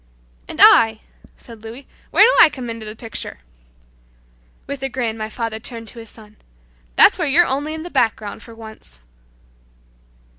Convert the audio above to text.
"And I," said Louis, "where do I come into the picture?" With a grin my father turned to his son, "That's where you're only in the background for once."